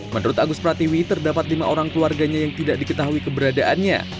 menurut agus pratiwi terdapat lima orang keluarganya yang tidak diketahui keberadaannya